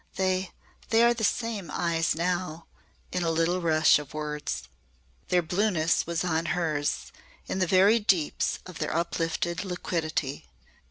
They they are the same eyes now," in a little rush of words. Their blueness was on hers in the very deeps of their uplifted liquidity.